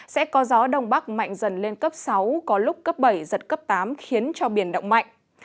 sẽ có gió đông bắc mạnh dần lên cấp sáu có lúc cấp bảy giật cấp tám khiến cho biển động mạnh